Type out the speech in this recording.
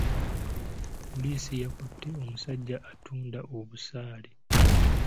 Poliisi yakutte omusajja attunda obusaale.